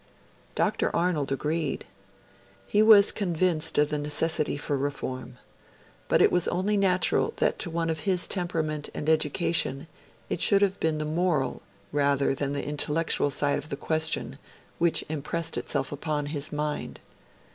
Dr. Arnold agreed. He was convinced of the necessity for reform. But it was only natural that to one of his temperament and education it should have been the moral rather than the intellectual side of the question which impressed itself upon his mind.